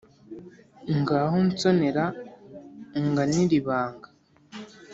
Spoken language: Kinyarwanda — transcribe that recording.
Ngaho nsonera unganire ibanga